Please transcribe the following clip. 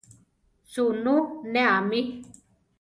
Suunú ne amí.